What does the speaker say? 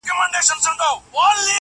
د عقل سوداګرو پکښي هر څه دي بایللي!!